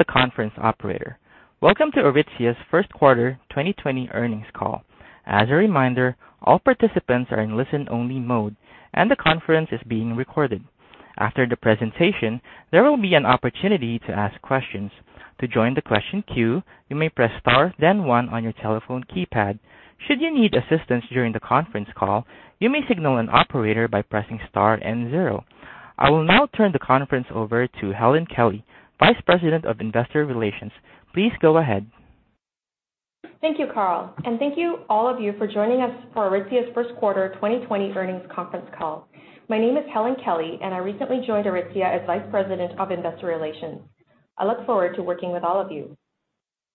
This is the conference operator. Welcome to Aritzia's First Quarter 2020 Earnings Call. I will now turn the conference over to Helen Kelly, Vice President of Investor Relations. Please go ahead. Thank you, Carl, and thank you, all of you, for joining us for Aritzia's First Quarter 2020 Earnings Conference Call. My name is Helen Kelly, and I recently joined Aritzia as Vice President of Investor Relations. I look forward to working with all of you.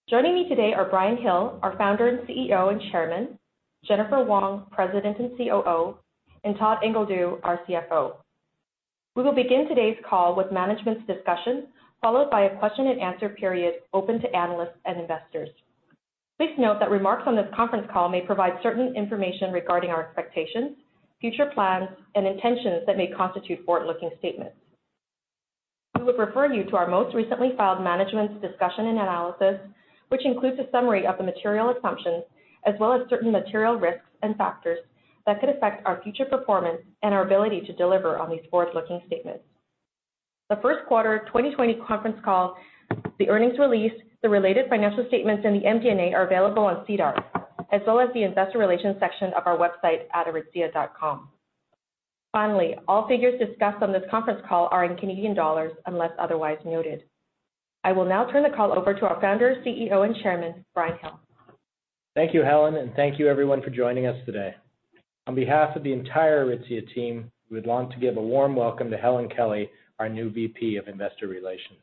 Joining me today are Brian Hill, our founder and CEO and Chairman, Jennifer Wong, President and COO, and Todd Ingledew, our CFO. We will begin today's call with management's discussion, followed by a question and answer period open to analysts and investors. Please note that remarks on this conference call may provide certain information regarding our expectations, future plans and intentions that may constitute forward-looking statements. We would refer you to our most recently filed management's discussion and analysis, which includes a summary of the material assumptions as well as certain material risks and factors that could affect our future performance and our ability to deliver on these forward-looking statements. The first quarter 2020 conference call, the earnings release, the related financial statements, and the MD&A are available on SEDAR, as well as the investor relations section of our website at aritzia.com. All figures discussed on this conference call are in Canadian dollars unless otherwise noted. I will now turn the call over to our founder, CEO, and Chairman, Brian Hill. Thank you, Helen, and thank you, everyone, for joining us today. On behalf of the entire Aritzia team, we would like to give a warm welcome to Helen Kelly, our new VP of Investor Relations.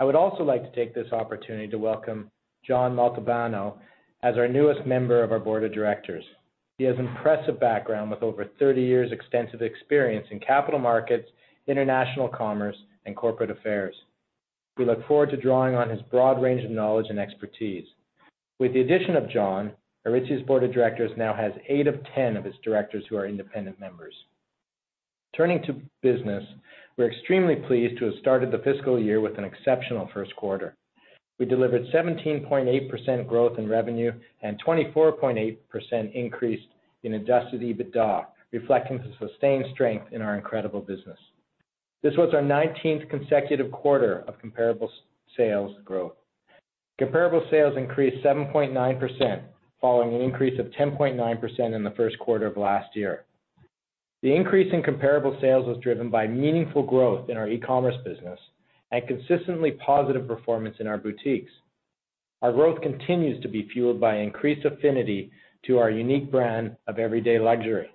I would also like to take this opportunity to welcome John Montalbano as our newest member of our board of directors. He has impressive background with over 30 years extensive experience in capital markets, international commerce, and corporate affairs. We look forward to drawing on his broad range of knowledge and expertise. With the addition of John, Aritzia's board of directors now has eight of 10 of its directors who are independent members. Turning to business, we're extremely pleased to have started the fiscal year with an exceptional first quarter. We delivered 17.8% growth in revenue and 24.8% increase in adjusted EBITDA, reflecting the sustained strength in our incredible business. This was our 19th consecutive quarter of comparable sales growth. Comparable sales increased 7.9%, following an increase of 10.9% in the first quarter of last year. The increase in comparable sales was driven by meaningful growth in our e-commerce business and consistently positive performance in our boutiques. Our growth continues to be fueled by increased affinity to our unique brand of everyday luxury,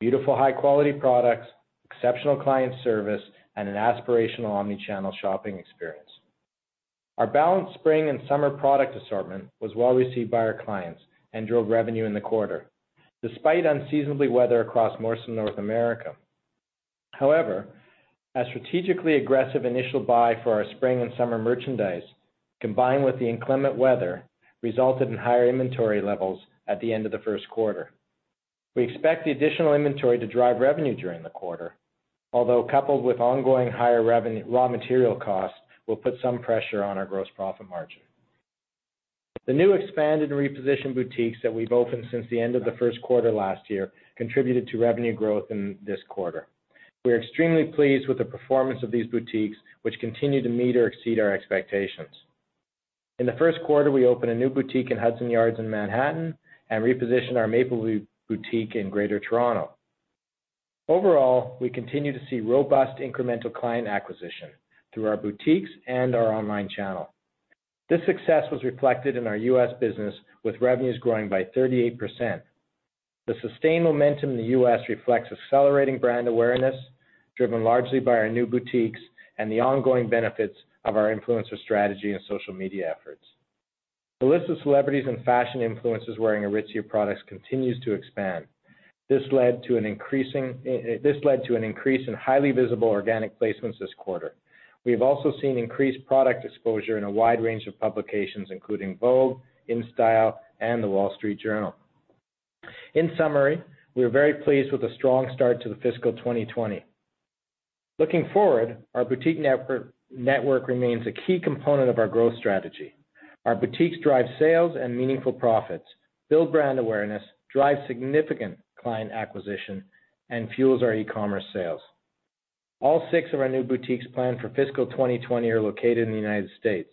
beautiful, high-quality products, exceptional client service, and an aspirational omni-channel shopping experience. Our balanced spring and summer product assortment was well received by our clients and drove revenue in the quarter, despite unseasonable weather across most of North America. However, a strategically aggressive initial buy for our spring and summer merchandise, combined with the inclement weather, resulted in higher inventory levels at the end of the first quarter. We expect the additional inventory to drive revenue during the quarter, although coupled with ongoing higher raw material costs, will put some pressure on our gross profit margin. The new expanded and repositioned boutiques that we've opened since the end of the first quarter last year contributed to revenue growth in this quarter. We are extremely pleased with the performance of these boutiques, which continue to meet or exceed our expectations. In the first quarter, we opened a new boutique in Hudson Yards in Manhattan and repositioned our Mapleview boutique in Greater Toronto. We continue to see robust incremental client acquisition through our boutiques and our online channel. This success was reflected in our U.S. business, with revenues growing by 38%. The sustained momentum in the U.S. reflects accelerating brand awareness, driven largely by our new boutiques and the ongoing benefits of our influencer strategy and social media efforts. The list of celebrities and fashion influencers wearing Aritzia products continues to expand. This led to an increase in highly visible organic placements this quarter. We have also seen increased product exposure in a wide range of publications, including Vogue, InStyle, and The Wall Street Journal. We are very pleased with the strong start to the fiscal 2020. Looking forward, our boutique network remains a key component of our growth strategy. Our boutiques drive sales and meaningful profits, build brand awareness, drive significant client acquisition, and fuels our e-commerce sales. All six of our new boutiques planned for fiscal 2020 are located in the United States.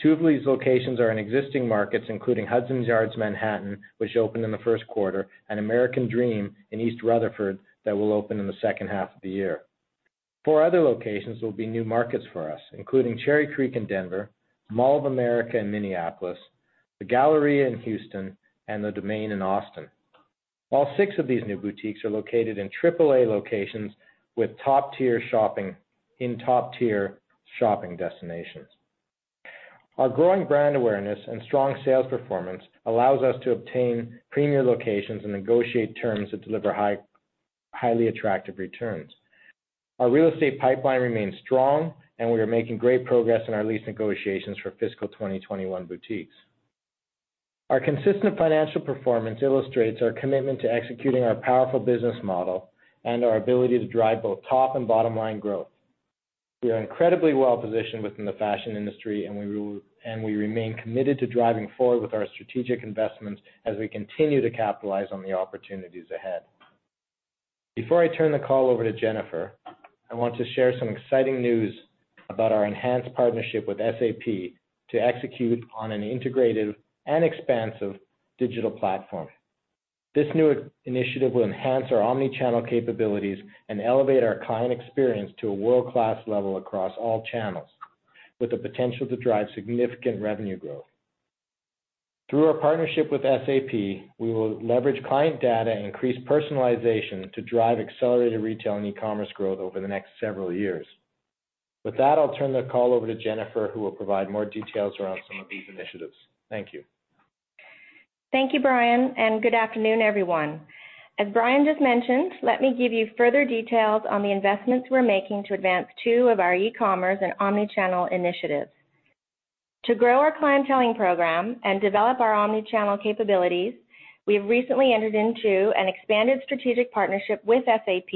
Two of these locations are in existing markets, including Hudson Yards, Manhattan, which opened in the first quarter, and American Dream in East Rutherford that will open in the second half of the year. Four other locations will be new markets for us, including Cherry Creek in Denver, Mall of America in Minneapolis, The Galleria in Houston, and The Domain in Austin. All six of these new boutiques are located in triple A locations in top-tier shopping destinations. Our growing brand awareness and strong sales performance allows us to obtain premier locations and negotiate terms that deliver highly attractive returns. Our real estate pipeline remains strong, and we are making great progress in our lease negotiations for fiscal 2021 boutiques. Our consistent financial performance illustrates our commitment to executing our powerful business model and our ability to drive both top and bottom-line growth. We are incredibly well-positioned within the fashion industry, and we remain committed to driving forward with our strategic investments as we continue to capitalize on the opportunities ahead. Before I turn the call over to Jennifer, I want to share some exciting news about our enhanced partnership with SAP to execute on an integrated and expansive digital platform. This new initiative will enhance our omni-channel capabilities and elevate our client experience to a world-class level across all channels, with the potential to drive significant revenue growth. Through our partnership with SAP, we will leverage client data and increase personalization to drive accelerated retail and e-commerce growth over the next several years. With that, I'll turn the call over to Jennifer, who will provide more details around some of these initiatives. Thank you. Thank you, Brian. Good afternoon, everyone. As Brian just mentioned, let me give you further details on the investments we're making to advance two of our e-commerce and omni-channel initiatives. To grow our clienteling program and develop our omni-channel capabilities, we have recently entered into an expanded strategic partnership with SAP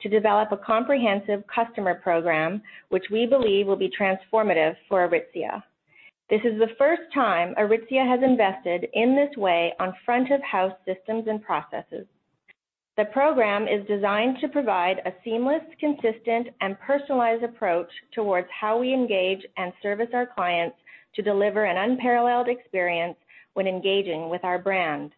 to develop a comprehensive customer program, which we believe will be transformative for Aritzia. This is the first time Aritzia has invested in this way on front-of-house systems and processes. The program is designed to provide a seamless, consistent, and personalized approach towards how we engage and service our clients to deliver an unparalleled experience when engaging with our brand.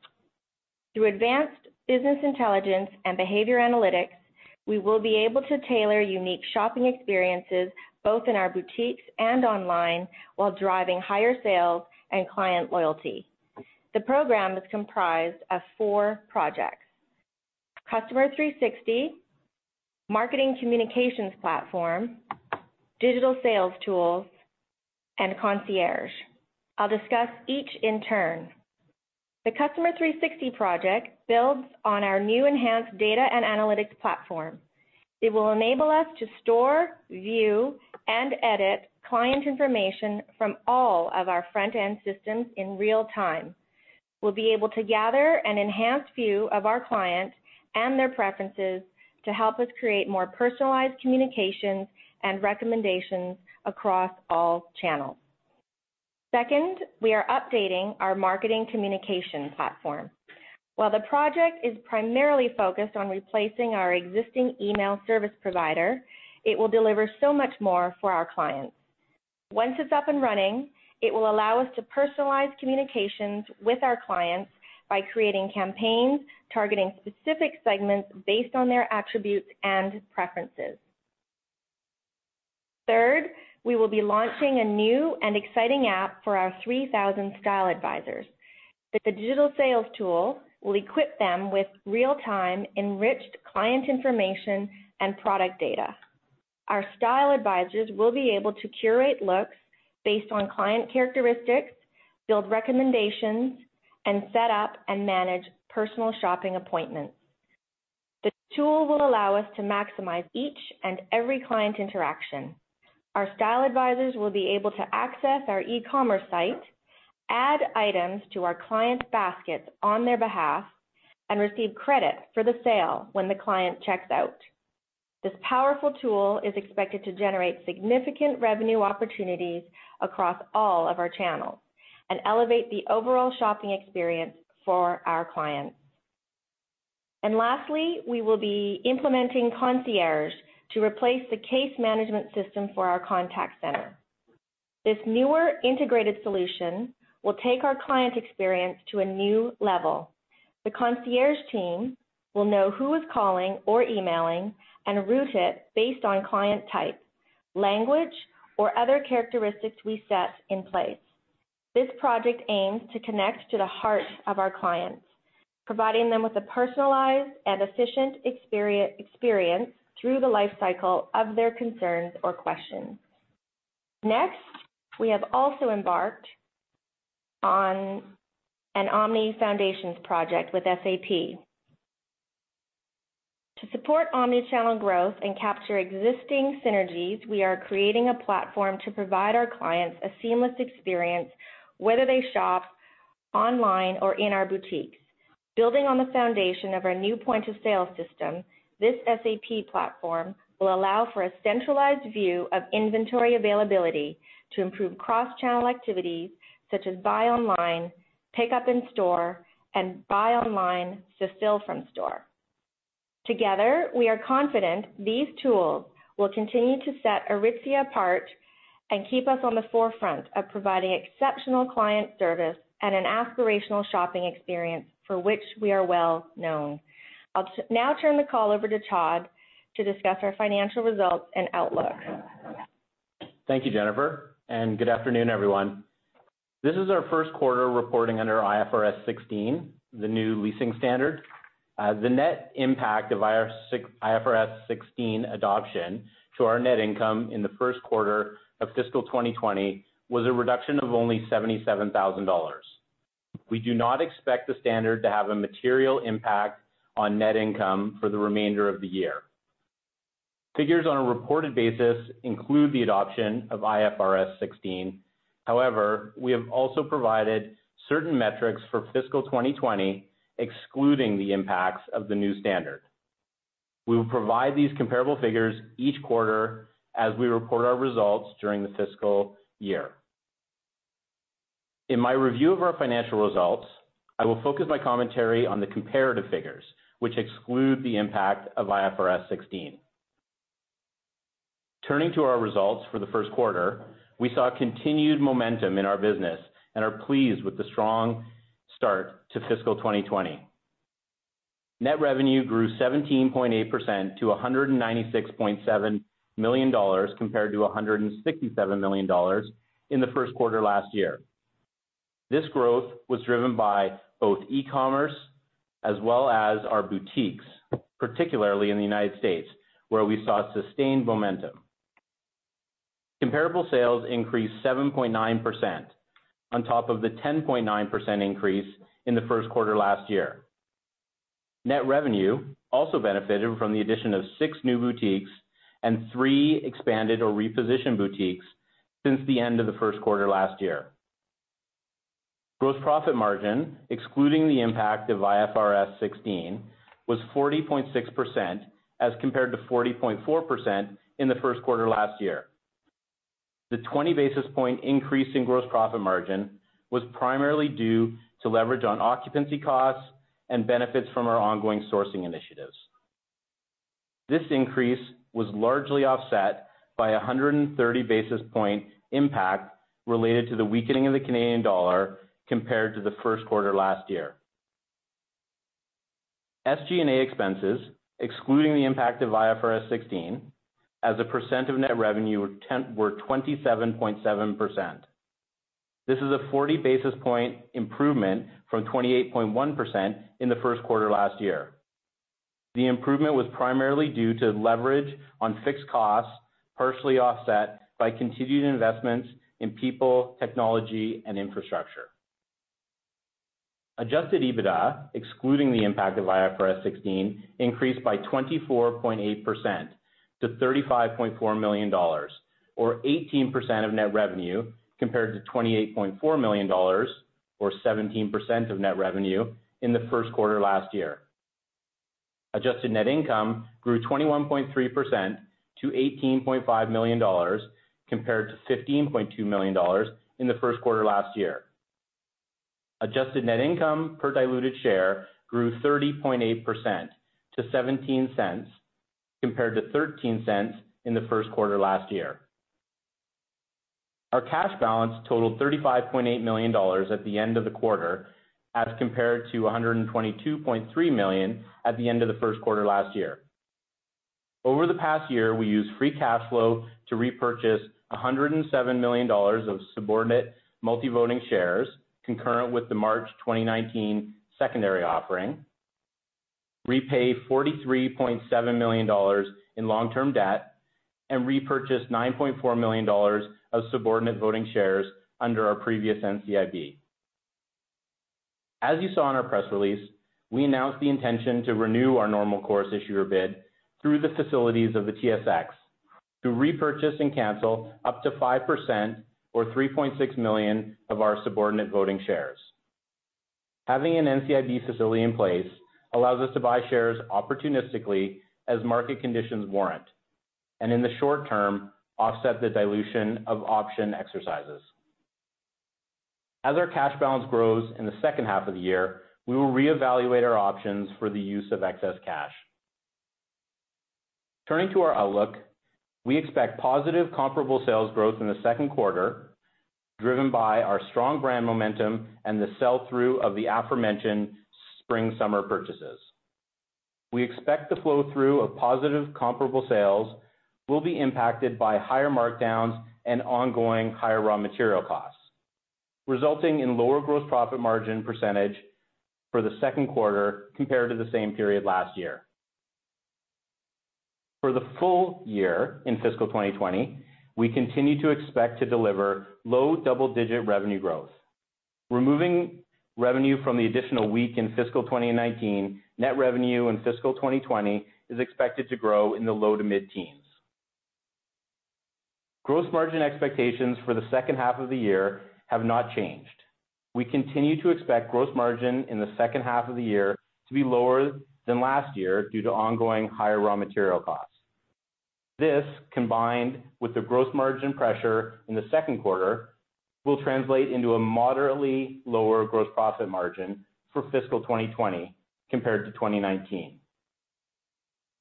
Through advanced business intelligence and behavior analytics, we will be able to tailor unique shopping experiences both in our boutiques and online while driving higher sales and client loyalty. The program is comprised of four projects: Customer 360, Marketing Communications Platform, digital sales tools, and Concierge. I'll discuss each in turn. The Customer 360 project builds on our new enhanced data and analytics platform. It will enable us to store, view, and edit client information from all of our front-end systems in real time. We'll be able to gather an enhanced view of our clients and their preferences to help us create more personalized communications and recommendations across all channels. Second, we are updating our Marketing Communication Platform. While the project is primarily focused on replacing our existing email service provider, it will deliver so much more for our clients. Once it's up and running, it will allow us to personalize communications with our clients by creating campaigns targeting specific segments based on their attributes and preferences. Third, we will be launching a new and exciting app for our 3,000 style advisors. The digital sales tool will equip them with real-time, enriched client information and product data. Our style advisors will be able to curate looks based on client characteristics, build recommendations, and set up and manage personal shopping appointments. This tool will allow us to maximize each and every client interaction. Our style advisors will be able to access our e-commerce site, add items to our clients' baskets on their behalf, and receive credit for the sale when the client checks out. This powerful tool is expected to generate significant revenue opportunities across all of our channels and elevate the overall shopping experience for our clients. Lastly, we will be implementing Concierge to replace the Case Management System for our contact center. This newer integrated solution will take our client experience to a new level. The concierge team will know who is calling or emailing and route it based on client type, language, or other characteristics we set in place. This project aims to connect to the heart of our clients, providing them with a personalized and efficient experience through the life cycle of their concerns or questions. We have also embarked on an omni-foundations project with SAP. To support omni-channel growth and capture existing synergies, we are creating a platform to provide our clients a seamless experience, whether they shop online or in our boutiques. Building on the foundation of our new point-of-sale system, this SAP platform will allow for a centralized view of inventory availability to improve cross-channel activities such as buy online, pick up in store, and buy online to fill from store. Together, we are confident these tools will continue to set Aritzia apart and keep us on the forefront of providing exceptional client service and an aspirational shopping experience for which we are well known. I'll now turn the call over to Todd to discuss our financial results and outlook. Thank you, Jennifer, and good afternoon, everyone. This is our first quarter reporting under IFRS 16, the new leasing standard. The net impact of IFRS 16 adoption to our net income in the first quarter of fiscal 2020 was a reduction of only 77,000 dollars. We do not expect the standard to have a material impact on net income for the remainder of the year. Figures on a reported basis include the adoption of IFRS 16. However, we have also provided certain metrics for fiscal 2020, excluding the impacts of the new standard. We will provide these comparable figures each quarter as we report our results during the fiscal year. In my review of our financial results, I will focus my commentary on the comparative figures, which exclude the impact of IFRS 16. Turning to our results for the first quarter, we saw continued momentum in our business and are pleased with the strong start to fiscal 2020. Net revenue grew 17.8% to 196.7 million dollars, compared to 167 million dollars in the first quarter last year. This growth was driven by both e-commerce as well as our boutiques, particularly in the U.S., where we saw sustained momentum. Comparable sales increased 7.9% on top of the 10.9% increase in the first quarter last year. Net revenue also benefited from the addition of six new boutiques and three expanded or repositioned boutiques since the end of the first quarter last year. Gross profit margin, excluding the impact of IFRS 16, was 40.6% as compared to 40.4% in the first quarter last year. The 20 basis point increase in gross profit margin was primarily due to leverage on occupancy costs and benefits from our ongoing sourcing initiatives. This increase was largely offset by 130 basis point impact related to the weakening of the Canadian dollar compared to the first quarter last year. SG&A expenses, excluding the impact of IFRS 16, as a % of net revenue, were 27.7%. This is a 40 basis point improvement from 28.1% in the first quarter last year. The improvement was primarily due to leverage on fixed costs, partially offset by continued investments in people, technology, and infrastructure. Adjusted EBITDA, excluding the impact of IFRS 16, increased by 24.8% to 35.4 million dollars, or 18% of net revenue, compared to 28.4 million dollars, or 17% of net revenue, in the first quarter last year. Adjusted net income grew 21.3% to 18.5 million dollars, compared to 15.2 million dollars in the first quarter last year. Adjusted net income per diluted share grew 30.8% to 0.17 compared to 0.13 in the first quarter last year. Our cash balance totaled 35.8 million dollars at the end of the quarter, as compared to 122.3 million at the end of the first quarter last year. Over the past year, we used free cash flow to repurchase 107 million dollars of subordinate multi-voting shares concurrent with the March 2019 secondary offering, repay 43.7 million dollars in long-term debt, and repurchase 9.4 million dollars of subordinate voting shares under our previous NCIB. As you saw in our press release, we announced the intention to renew our normal course issuer bid through the facilities of the TSX to repurchase and cancel up to 5%, or 3.6 million, of our subordinate voting shares. Having an NCIB facility in place allows us to buy shares opportunistically as market conditions warrant, and in the short term, offset the dilution of option exercises. As our cash balance grows in the second half of the year, we will reevaluate our options for the use of excess cash. Turning to our outlook, we expect positive comparable sales growth in the second quarter, driven by our strong brand momentum and the sell-through of the aforementioned spring/summer purchases. We expect the flow-through of positive comparable sales will be impacted by higher markdowns and ongoing higher raw material costs, resulting in lower gross profit margin percentage for the second quarter compared to the same period last year. For the full year in fiscal 2020, we continue to expect to deliver low double-digit revenue growth. Removing revenue from the additional week in fiscal 2019, net revenue in fiscal 2020 is expected to grow in the low to mid-teens. Gross margin expectations for the second half of the year have not changed. We continue to expect gross margin in the second half of the year to be lower than last year due to ongoing higher raw material costs. This, combined with the gross margin pressure in the second quarter, will translate into a moderately lower gross profit margin for fiscal 2020 compared to 2019.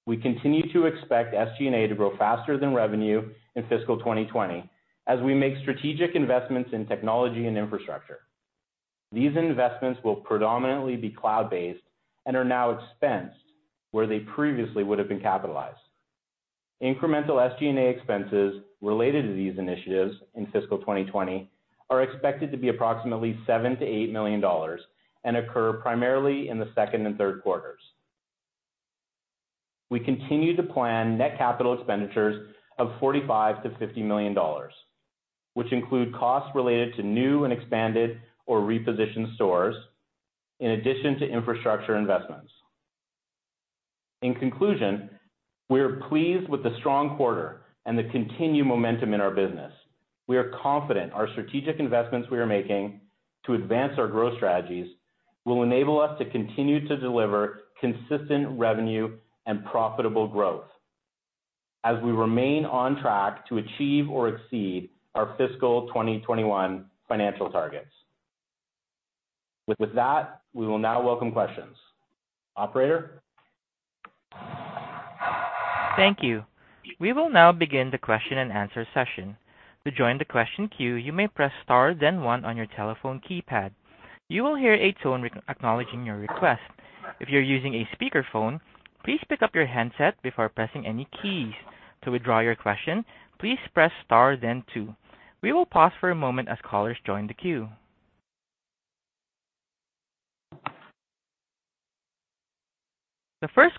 We continue to expect SG&A to grow faster than revenue in fiscal 2020 as we make strategic investments in technology and infrastructure. These investments will predominantly be cloud-based and are now expensed where they previously would have been capitalized. Incremental SG&A expenses related to these initiatives in fiscal 2020 are expected to be approximately 7 million - 8 million dollars and occur primarily in the second and third quarters. We continue to plan net capital expenditures of 45 million - 50 million dollars, which include costs related to new and expanded or repositioned stores. In addition to infrastructure investments. In conclusion, we are pleased with the strong quarter and the continued momentum in our business. We are confident our strategic investments we are making to advance our growth strategies will enable us to continue to deliver consistent revenue and profitable growth as we remain on track to achieve or exceed our fiscal 2021 financial targets. With that, we will now welcome questions. Operator? Thank you. We will now begin the question and answer session. The first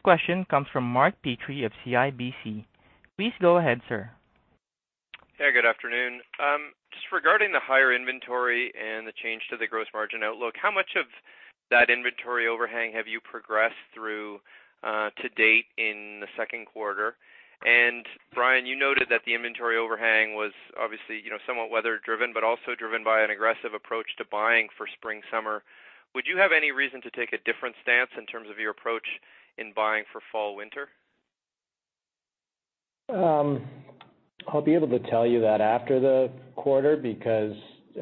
question comes from Mark Petrie of CIBC. Please go ahead, sir. Hey, good afternoon. Just regarding the higher inventory and the change to the gross margin outlook, how much of that inventory overhang have you progressed through to date in the second quarter? Brian, you noted that the inventory overhang was obviously somewhat weather driven, but also driven by an aggressive approach to buying for spring/summer. Would you have any reason to take a different stance in terms of your approach in buying for fall/winter? I'll be able to tell you that after the quarter, because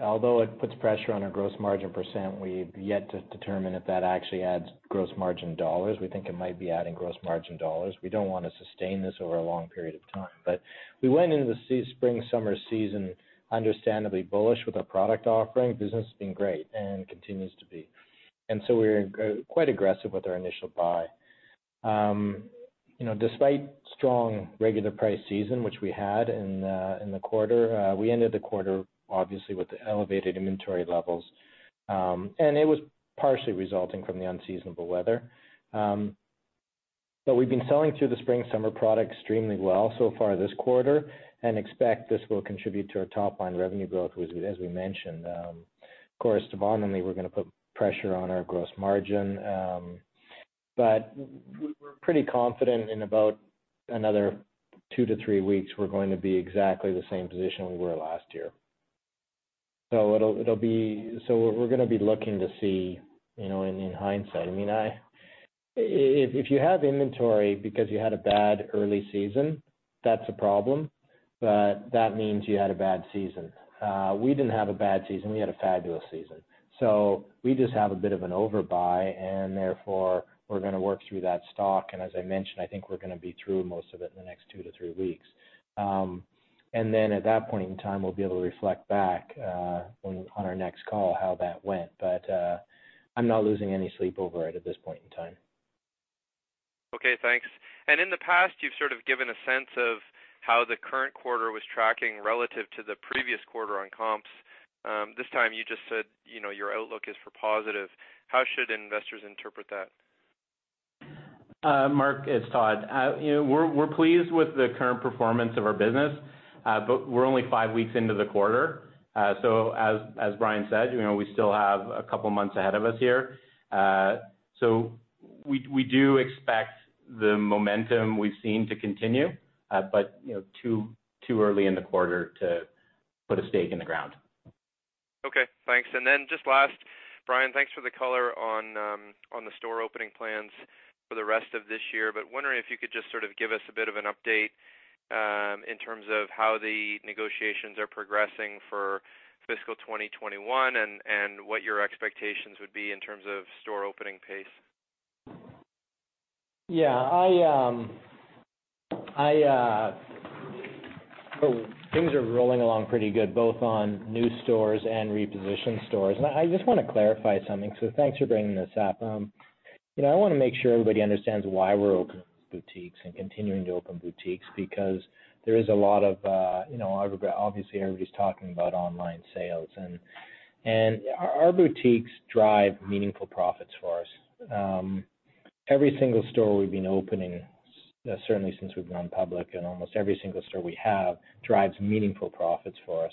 although it puts pressure on our gross margin percent, we've yet to determine if that actually adds gross margin dollars. We think it might be adding gross margin dollars. We don't want to sustain this over a long period of time. We went into the spring/summer season understandably bullish with our product offering. Business has been great and continues to be. We're quite aggressive with our initial buy. Despite strong regular price season, which we had in the quarter, we ended the quarter obviously with elevated inventory levels, and it was partially resulting from the unseasonable weather. We've been selling through the spring/summer product extremely well so far this quarter and expect this will contribute to our top-line revenue growth, as we mentioned. Of course, nominally, we're going to put pressure on our gross margin, we're pretty confident in about another 2 - 3 weeks, we're going to be exactly the same position we were last year. We're going to be looking to see in hindsight. If you have inventory because you had a bad early season, that's a problem, that means you had a bad season. We didn't have a bad season. We had a fabulous season. We just have a bit of an overbuy, therefore we're going to work through that stock, and as I mentioned, I think we're going to be through most of it in the next 2 - 3 weeks. At that point in time, we'll be able to reflect back on our next call how that went. I'm not losing any sleep over it at this point in time. Okay, thanks. In the past you've sort of given a sense of how the current quarter was tracking relative to the previous quarter on comps. This time you just said your outlook is for positive. How should investors interpret that? Mark, it's Todd. We're pleased with the current performance of our business, we're only five weeks into the quarter. As Brian said, we still have a couple of months ahead of us here. We do expect the momentum we've seen to continue, too early in the quarter to put a stake in the ground. Okay, thanks. Just last, Brian, thanks for the color on the store opening plans for the rest of this year, wondering if you could just sort of give us a bit of an update in terms of how the negotiations are progressing for fiscal 2021 and what your expectations would be in terms of store opening pace? Yeah. Things are rolling along pretty good, both on new stores and repositioned stores. I just want to clarify something, so thanks for bringing this up. I want to make sure everybody understands why we're opening these boutiques and continuing to open boutiques because there is a lot. Obviously, everybody's talking about online sales, and our boutiques drive meaningful profits for us. Every single store we've been opening, certainly since we've gone public and almost every single store we have, drives meaningful profits for us.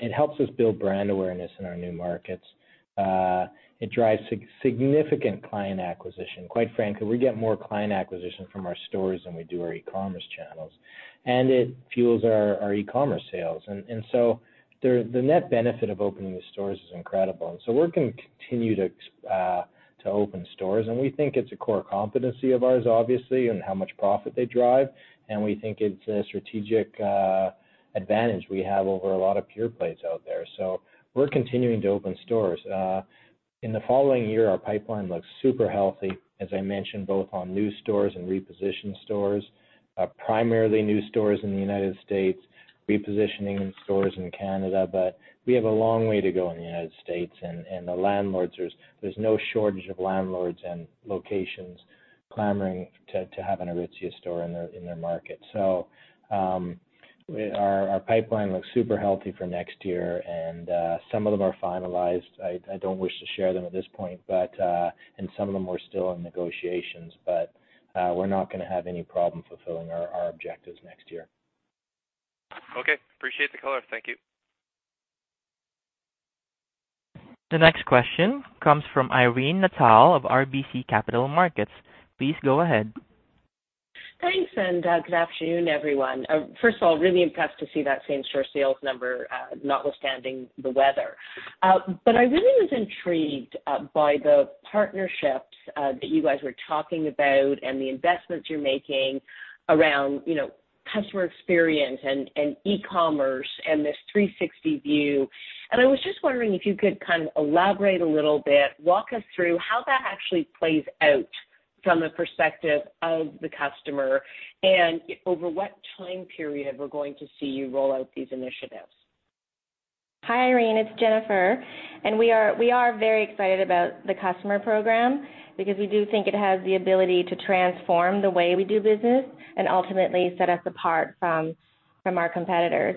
It helps us build brand awareness in our new markets. It drives significant client acquisition. Quite frankly, we get more client acquisition from our stores than we do our e-commerce channels. It fuels our e-commerce sales. The net benefit of opening the stores is incredible, we're going to continue to open stores, we think it's a core competency of ours, obviously, in how much profit they drive, we think it's a strategic advantage we have over a lot of pure plays out there. We're continuing to open stores. In the following year, our pipeline looks super healthy, as I mentioned, both on new stores and repositioned stores. Primarily new stores in the United States, repositioning stores in Canada, we have a long way to go in the United States and the landlords. There's no shortage of landlords and locations clamoring to have an Aritzia store in their market. Our pipeline looks super healthy for next year, some of them are finalized. I don't wish to share them at this point, some of them we're still in negotiations, we're not going to have any problem fulfilling our objectives next year. Okay. Appreciate the color. Thank you. The next question comes from Irene Nattel of RBC Capital Markets. Please go ahead. Thanks. Good afternoon, everyone. First of all, really impressed to see that same-store sales number, notwithstanding the weather. I really was intrigued by the partnerships that you guys were talking about and the investments you're making around customer experience and e-commerce and this 360 view. I was just wondering if you could kind of elaborate a little bit, walk us through how that actually plays out from the perspective of the customer, and over what time period we're going to see you roll out these initiatives. Hi, Irene, it's Jennifer. We are very excited about the customer program because we do think it has the ability to transform the way we do business and ultimately set us apart from our competitors.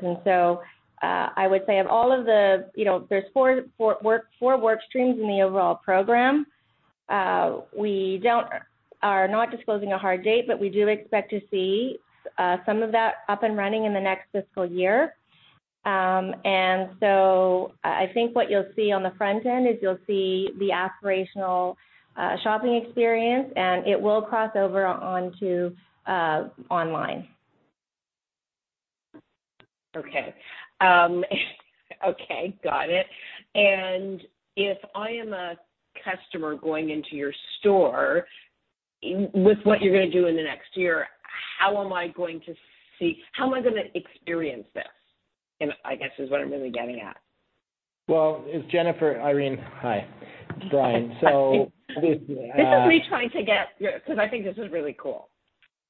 I would say of all of the There's four work streams in the overall program. We are not disclosing a hard date, but we do expect to see some of that up and running in the next fiscal year. I think what you'll see on the front end is you'll see the aspirational shopping experience, and it will cross over onto online. Okay. Okay, got it. If I am a customer going into your store, with what you're going to do in the next year, how am I going to experience this? I guess is what I'm really getting at. Well, it's Jennifer, Irene. Hi, Brian. This is me trying to get because I think this is really cool.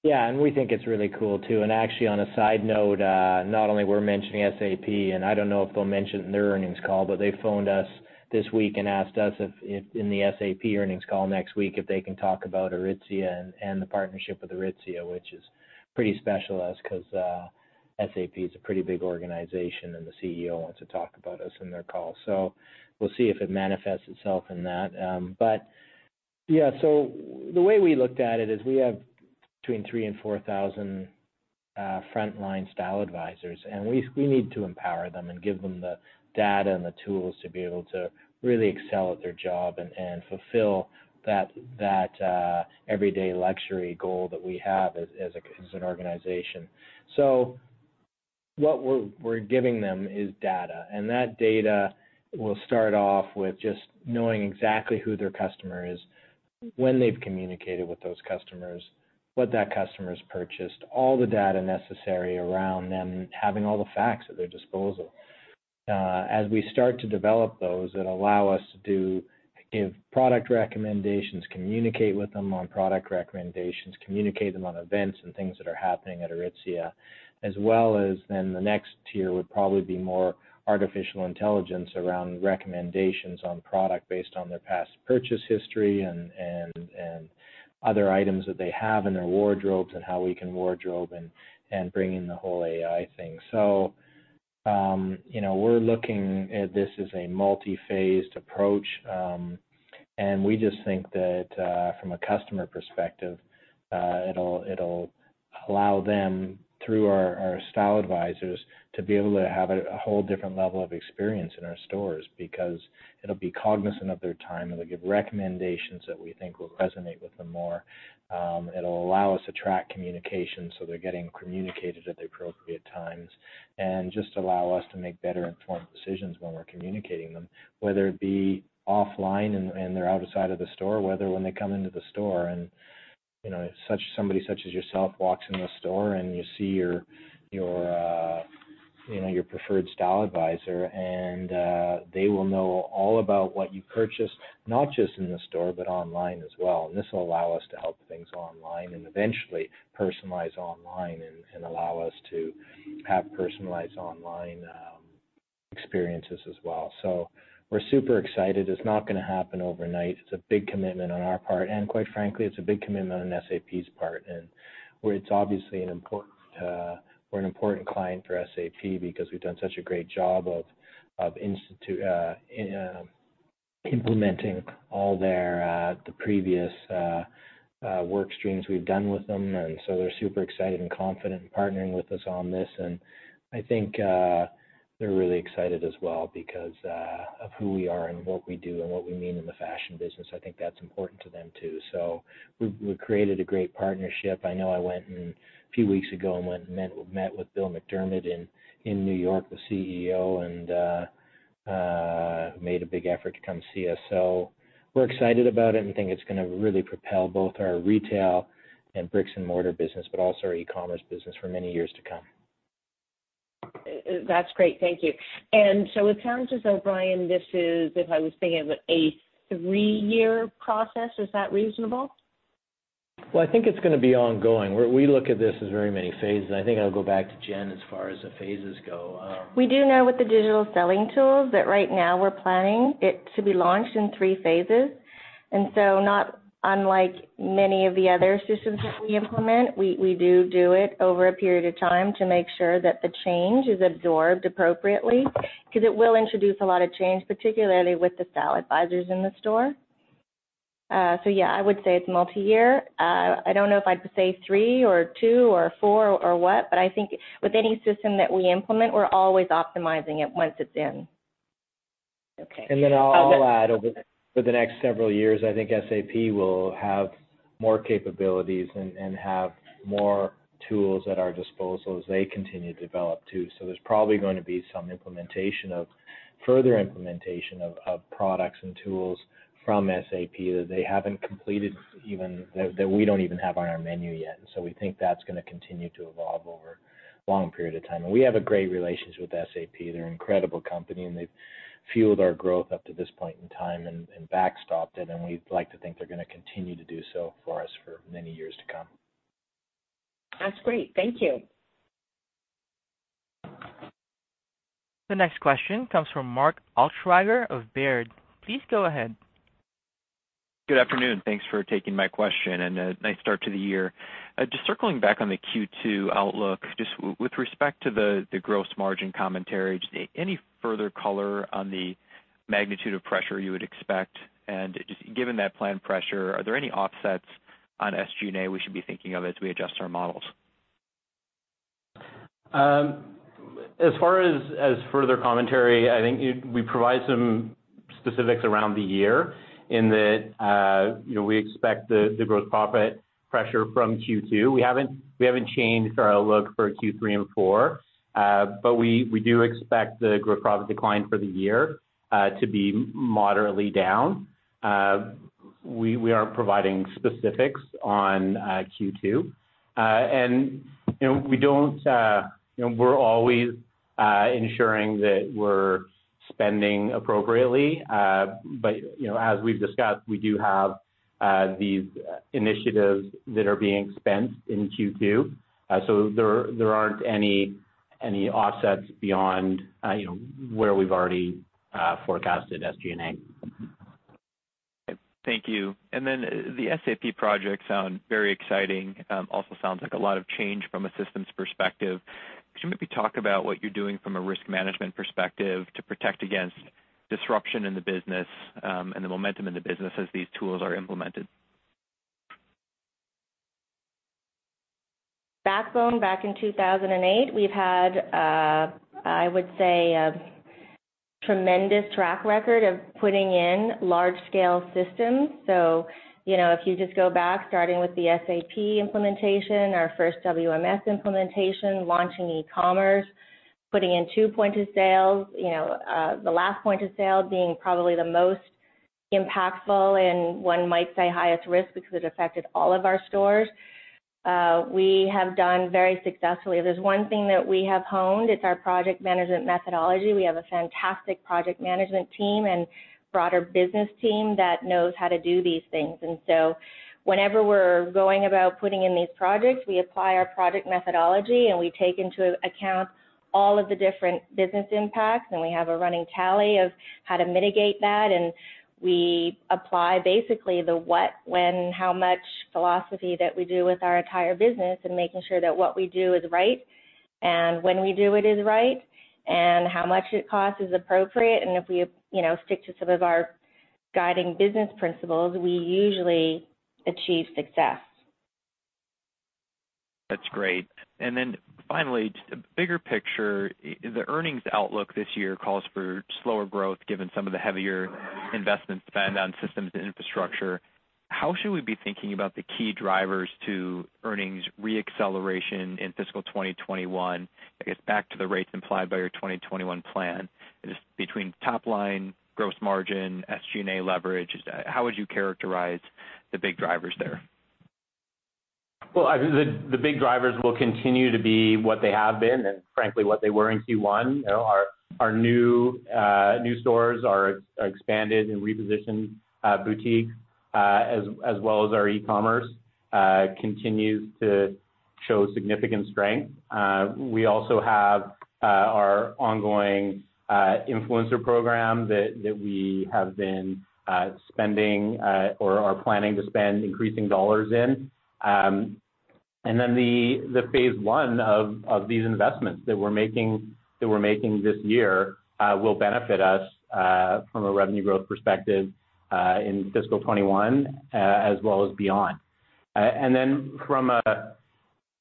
Yeah, we think it's really cool, too. Actually, on a side note, not only we're mentioning SAP, I don't know if they'll mention it in their earnings call, but they phoned us this week and asked us if in the SAP earnings call next week, if they can talk about Aritzia and the partnership with Aritzia, which is pretty special to us because SAP is a pretty big organization, and the CEO wants to talk about us in their call. We'll see if it manifests itself in that. Yeah, the way we looked at it is we have between 3,000 and 4,000 frontline style advisors, and we need to empower them and give them the data and the tools to be able to really excel at their job and fulfill that everyday luxury goal that we have as an organization. What we're giving them is data, and that data will start off with just knowing exactly who their customer is, when they've communicated with those customers, what that customer's purchased, all the data necessary around them, having all the facts at their disposal. As we start to develop those, it'll allow us to give product recommendations, communicate with them on product recommendations, communicate them on events and things that are happening at Aritzia, as well as then the next tier would probably be more artificial intelligence around recommendations on product based on their past purchase history and other items that they have in their wardrobes and how we can wardrobe and bring in the whole AI thing. We're looking at this as a multi-phased approach, we just think that from a customer perspective, it'll allow them, through our style advisors, to be able to have a whole different level of experience in our stores because it'll be cognizant of their time, it'll give recommendations that we think will resonate with them more. It'll allow us to track communication, so they're getting communicated at the appropriate times, just allow us to make better informed decisions when we're communicating them, whether it be offline and they're outside of the store, whether when they come into the store and somebody such as yourself walks in the store and you see your preferred style advisor and they will know all about what you purchased, not just in the store, but online as well. This will allow us to help things online and eventually personalize online and allow us to have personalized online experiences as well. We're super excited. It's not going to happen overnight. It's a big commitment on our part, and quite frankly, it's a big commitment on SAP's part. It's obviously we're an important client for SAP because we've done such a great job of implementing all the previous work streams we've done with them, they're super excited and confident in partnering with us on this. I think they're really excited as well because of who we are and what we do and what we mean in the fashion business. I think that's important to them, too. We've created a great partnership. I know I went and a few weeks ago, met with Bill McDermott in New York, the CEO, and made a big effort to come see us. We're excited about it and think it's going to really propel both our retail and bricks-and-mortar business, but also our e-commerce business for many years to come. That's great. Thank you. It sounds as though, Brian, this is, if I was thinking of it, a three-year process. Is that reasonable? Well, I think it's going to be ongoing. We look at this as very many phases. I think I'll go back to Jen as far as the phases go. We do know with the digital selling tools that right now we're planning it to be launched in three phases. Not unlike many of the other systems that we implement, we do it over a period of time to make sure that the change is absorbed appropriately, because it will introduce a lot of change, particularly with the style advisors in the store. Yeah, I would say it's multi-year. I don't know if I'd say three or two or four or what, but I think with any system that we implement, we're always optimizing it once it's in. Okay. I'll add, for the next several years, I think SAP will have more capabilities and have more tools at our disposal as they continue to develop too. There's probably going to be some further implementation of products and tools from SAP that we don't even have on our menu yet. We think that's going to continue to evolve over a long period of time. We have a great relationship with SAP. They're an incredible company, and they've fueled our growth up to this point in time and backstopped it, and we'd like to think they're going to continue to do so for us for many years to come. That's great. Thank you. The next question comes from Mark Altschwager of Baird. Please go ahead. Good afternoon. Thanks for taking my question and a nice start to the year. Just circling back on the Q2 outlook, just with respect to the gross margin commentary, any further color on the magnitude of pressure you would expect? Just given that planned pressure, are there any offsets on SG&A we should be thinking of as we adjust our models? As far as further commentary, I think we provide some specifics around the year in that we expect the gross profit pressure from Q2. We haven't changed our look for Q3 and Q4, but we do expect the gross profit decline for the year to be moderately down. We aren't providing specifics on Q2. We're always ensuring that we're spending appropriately. As we've discussed, we do have these initiatives that are being spent in Q2. There aren't any offsets beyond where we've already forecasted SG&A. Thank you. The SAP project sounds very exciting. Sounds like a lot of change from a systems perspective. Could you maybe talk about what you're doing from a risk management perspective to protect against disruption in the business, and the momentum in the business as these tools are implemented? Back in 2008, we've had, I would say, a tremendous track record of putting in large scale systems. If you just go back, starting with the SAP implementation, our first WMS implementation, launching e-commerce, putting in two points of sale. The last point of sale being probably the most impactful and one might say highest risk because it affected all of our stores. We have done very successfully. If there's one thing that we have honed, it's our project management methodology. We have a fantastic project management team and broader business team that knows how to do these things. Whenever we're going about putting in these projects, we apply our project methodology, we take into account all of the different business impacts, and we have a running tally of how to mitigate that. We apply basically the what, when, how much philosophy that we do with our entire business making sure that what we do is right when we do it is right, and how much it costs is appropriate. If we stick to some of our guiding business principles, we usually achieve success. That's great. Finally, just a bigger picture, the earnings outlook this year calls for slower growth given some of the heavier investment spend on systems and infrastructure. How should we be thinking about the key drivers to earnings re-acceleration in fiscal 2021? I guess back to the rates implied by your 2021 plan. Just between top line gross margin, SG&A leverage, how would you characterize the big drivers there? The big drivers will continue to be what they have been and frankly, what they were in Q1. Our new stores are expanded and repositioned boutiques, as well as our e-commerce continues to show significant strength. We also have our ongoing influencer program that we have been spending or are planning to spend increasing dollars in. The phase I of these investments that we're making this year will benefit us, from a revenue growth perspective, in fiscal 2021, as well as beyond.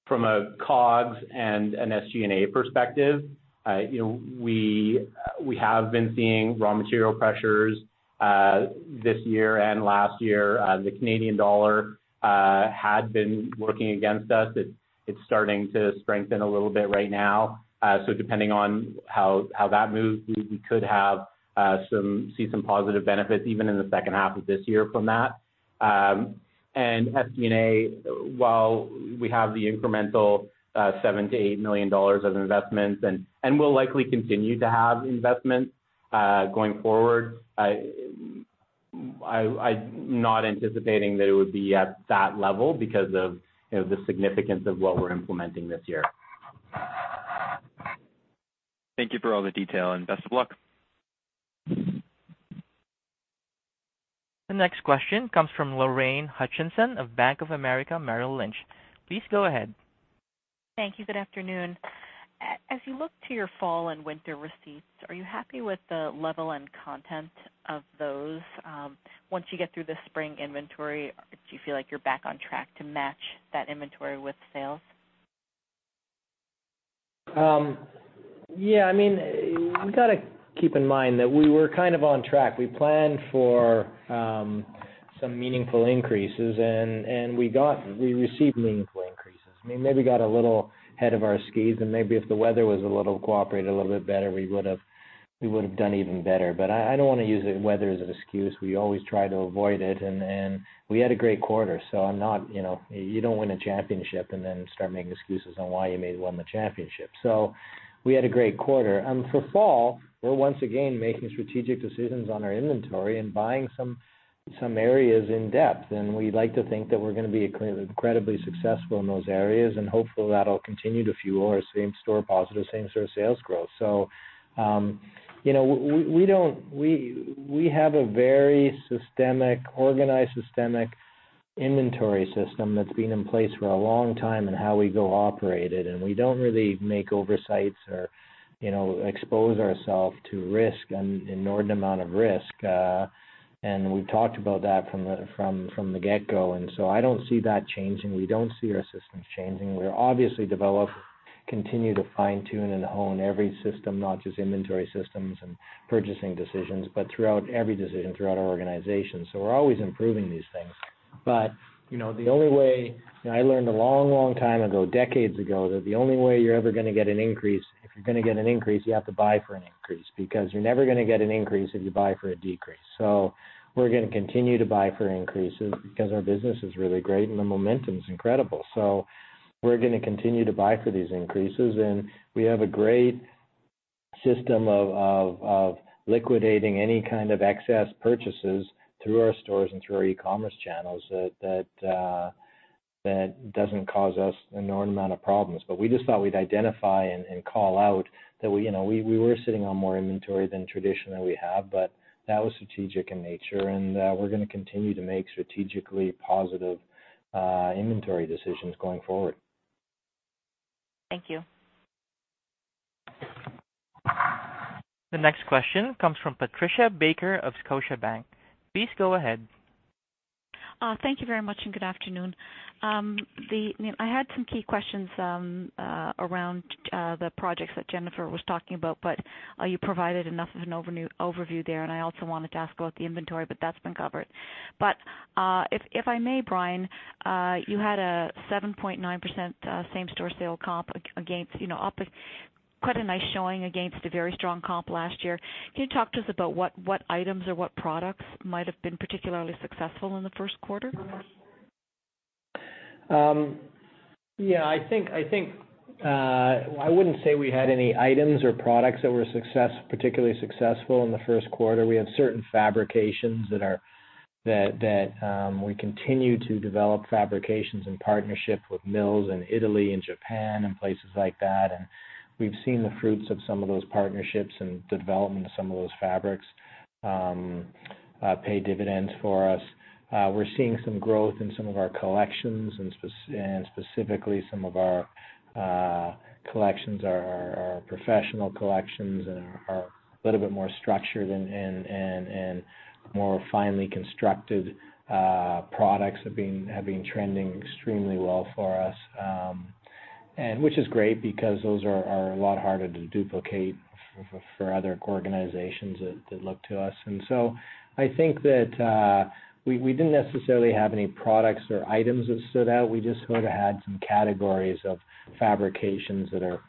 From a COGS and an SG&A perspective, we have been seeing raw material pressures, this year and last year. The Canadian dollar had been working against us. It's starting to strengthen a little bit right now. Depending on how that moves, we could see some positive benefits even in the second half of this year from that. SG&A, while we have the incremental 7 million-8 million dollars of investments and will likely continue to have investments going forward, I'm not anticipating that it would be at that level because of the significance of what we're implementing this year. Thank you for all the detail and best of luck. The next question comes from Lorraine Hutchinson of Bank of America Merrill Lynch. Please go ahead. Thank you. Good afternoon. As you look to your fall and winter receipts, are you happy with the level and content of those once you get through the spring inventory? Do you feel like you're back on track to match that inventory with sales? Yeah. You got to keep in mind that we were kind of on track. We planned for some meaningful increases. We received meaningful increases. Maybe got a little ahead of our skis. Maybe if the weather cooperated a little bit better, we would've done even better. I don't want to use the weather as an excuse. We always try to avoid it. We had a great quarter. You don't win a championship and then start making excuses on why you maybe won the championship. We had a great quarter. For fall, we're once again making strategic decisions on our inventory and buying some areas in depth. We'd like to think that we're going to be incredibly successful in those areas, and hopeful that'll continue to fuel our same store positive, same store sales growth. We have a very organized, systemic inventory system that's been in place for a long time and how we go operate it. We don't really make oversights or expose ourself to an inordinate amount of risk. We've talked about that from the get-go. I don't see that changing. We don't see our systems changing. We obviously continue to fine tune and hone every system, not just inventory systems and purchasing decisions, but throughout every decision throughout our organization. We're always improving these things. I learned a long time ago, decades ago, that the only way you're ever going to get an increase, if you're going to get an increase, you have to buy for an increase because you're never going to get an increase if you buy for a decrease. We're going to continue to buy for increases because our business is really great, and the momentum is incredible. We're going to continue to buy for these increases. We have a great system of liquidating any kind of excess purchases through our stores and through our e-commerce channels that doesn't cause us an inordinate amount of problems. We just thought we'd identify and call out that we were sitting on more inventory than traditionally we have. That was strategic in nature. We're going to continue to make strategically positive inventory decisions going forward. Thank you. The next question comes from Patricia Baker of Scotiabank. Please go ahead. Thank you very much, good afternoon. I had some key questions around the projects that Jennifer was talking about, you provided enough of an overview there. I also wanted to ask about the inventory, that's been covered. If I may, Brian, you had a 7.9% same store sale comp, quite a nice showing against a very strong comp last year. Can you talk to us about what items or what products might have been particularly successful in the first quarter? Yeah. I wouldn't say we had any items or products that were particularly successful in the first quarter. We have certain fabrications that we continue to develop fabrications in partnership with mills in Italy and Japan and places like that. We've seen the fruits of some of those partnerships and development of some of those fabrics pay dividends for us. We're seeing some growth in some of our collections, specifically some of our collections, our professional collections, and our little bit more structured and more finely constructed products have been trending extremely well for us. Which is great because those are a lot harder to duplicate for other organizations that look to us. So I think that we didn't necessarily have any products or items that stood out. We just had some categories of fabrications that are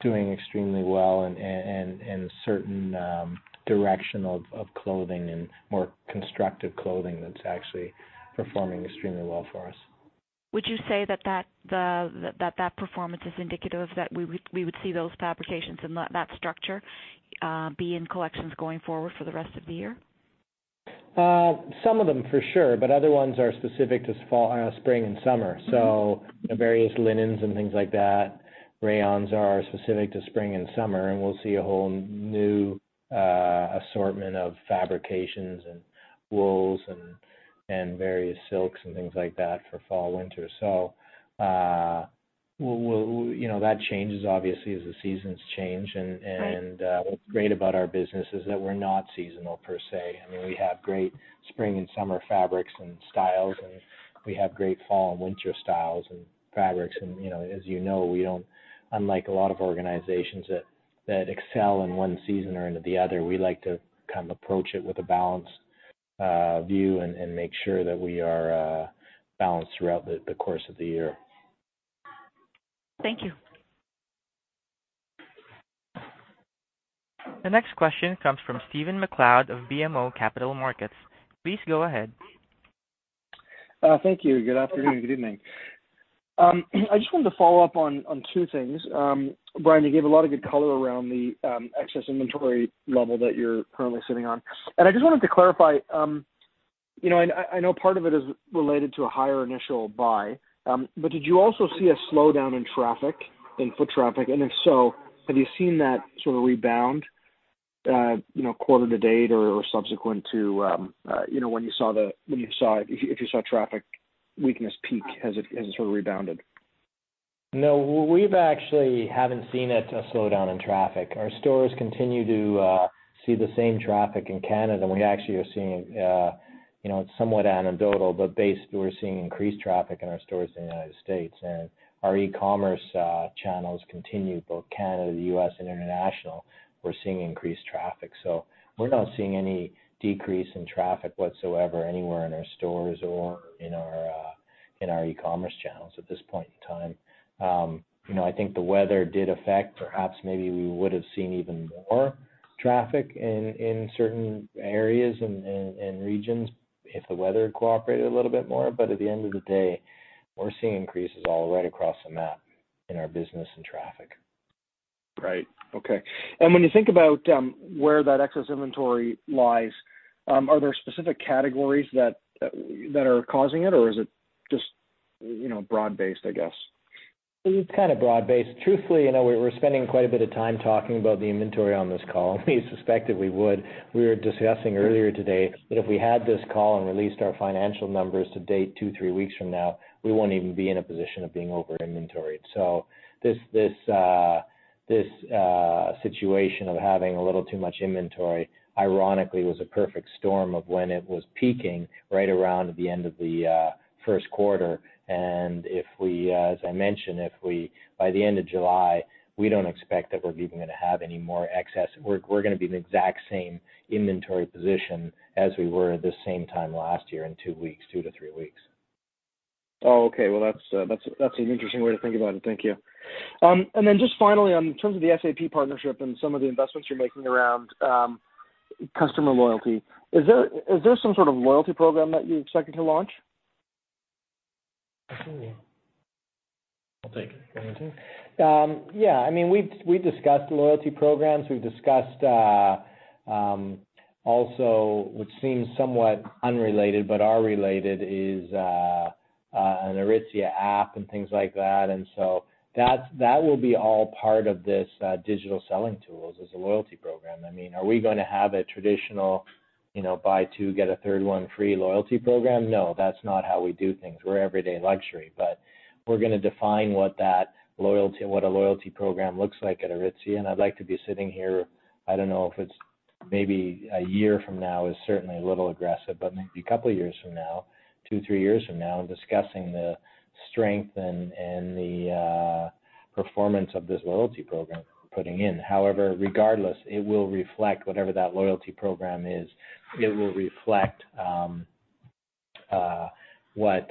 doing extremely well and certain direction of clothing and more constructive clothing that's actually performing extremely well for us. Would you say that that performance is indicative that we would see those fabrications and that structure be in collections going forward for the rest of the year? Some of them for sure, Other ones are specific to spring and summer. The various linens and things like that. Rayons are specific to spring and summer, and we'll see a whole new assortment of fabrications and wools and various silks and things like that for fall, winter. That changes obviously as the seasons change. Right. What's great about our business is that we're not seasonal per se. We have great spring and summer fabrics and styles, and we have great fall and winter styles and fabrics. As you know, unlike a lot of organizations that excel in one season or in the other, we like to approach it with a balanced view and make sure that we are balanced throughout the course of the year. Thank you. The next question comes from Stephen MacLeod of BMO Capital Markets. Please go ahead. Thank you. Good afternoon. Good evening. I just wanted to follow up on two things. Brian, you gave a lot of good color around the excess inventory level that you're currently sitting on. I just wanted to clarify, I know part of it is related to a higher initial buy. Did you also see a slowdown in foot traffic? If so, have you seen that sort of rebound? quarter to date or subsequent to when you saw it, if you saw traffic weakness peak, has it sort of rebounded? No, we actually haven't seen it slow down in traffic. Our stores continue to see the same traffic in Canada. We actually are seeing, it's somewhat anecdotal, but based, we're seeing increased traffic in our stores in the U.S. Our e-commerce channels continue, both Canada, the U.S., and international, we're seeing increased traffic. We're not seeing any decrease in traffic whatsoever anywhere in our stores or in our e-commerce channels at this point in time. I think the weather did affect, perhaps maybe we would've seen even more traffic in certain areas and regions if the weather had cooperated a little bit more. At the end of the day, we're seeing increases all the way across the map in our business and traffic. Right. Okay. When you think about where that excess inventory lies, are there specific categories that are causing it, or is it just broad-based, I guess? It's kind of broad-based. Truthfully, we're spending quite a bit of time talking about the inventory on this call. We suspected we would. We were discussing earlier today that if we had this call and released our financial numbers to date two, three weeks from now, we won't even be in a position of being over-inventoried. This situation of having a little too much inventory ironically was a perfect storm of when it was peaking right around the end of the first quarter. As I mentioned, by the end of July, we don't expect that we're even going to have any more excess. We're going to be in the exact same inventory position as we were at this same time last year in two - three weeks. Oh, okay. Well, that's an interesting way to think about it. Thank you. Just finally, in terms of the SAP partnership and some of the investments you're making around customer loyalty, is there some sort of loyalty program that you're expecting to launch? I'll take it. Yeah. We discussed loyalty programs. We've discussed also, which seems somewhat unrelated but are related, is an Aritzia app and things like that. So that will be all part of this digital selling tools as a loyalty program. Are we going to have a traditional buy two, get a third one free loyalty program? No, that's not how we do things. We're everyday luxury. We're going to define what a loyalty program looks like at Aritzia, and I'd like to be sitting here, I don't know if it's maybe a year from now is certainly a little aggressive, but maybe a couple of years from now, two, three years from now, discussing the strength and the performance of this loyalty program we're putting in. However, regardless, it will reflect whatever that loyalty program is. It will reflect what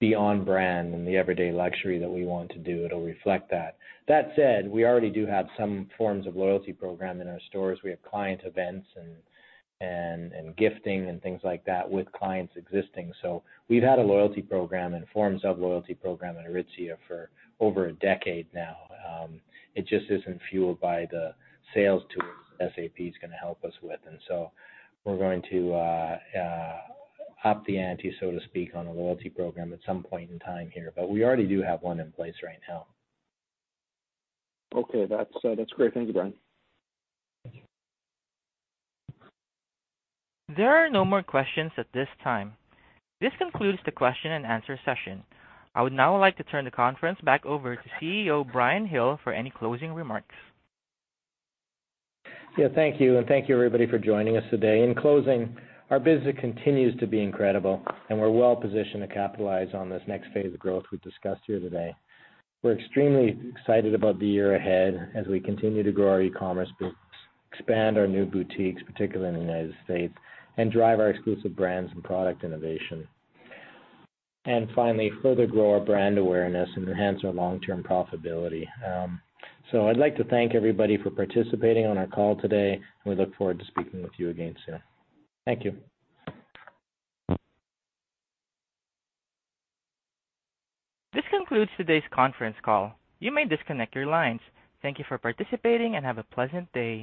the on-brand and the everyday luxury that we want to do. It'll reflect that. That said, we already do have some forms of loyalty program in our stores. We have client events and gifting and things like that with clients existing. So we've had a loyalty program and forms of loyalty program at Aritzia for over a decade now. It just isn't fueled by the sales tools that SAP's going to help us with. So we're going to up the ante, so to speak, on a loyalty program at some point in time here. We already do have one in place right now. Okay. That's great. Thank you, Brian. There are no more questions at this time. This concludes the question and answer session. I would now like to turn the conference back over to CEO Brian Hill for any closing remarks. Yeah. Thank you, and thank you everybody for joining us today. In closing, our business continues to be incredible, and we're well positioned to capitalize on this next phase of growth we've discussed here today. We're extremely excited about the year ahead as we continue to grow our e-commerce business, expand our new boutiques, particularly in the United States, and drive our exclusive brands and product innovation. Finally, further grow our brand awareness and enhance our long-term profitability. I'd like to thank everybody for participating on our call today, and we look forward to speaking with you again soon. Thank you. This concludes today's conference call. You may disconnect your lines. Thank you for participating, and have a pleasant day.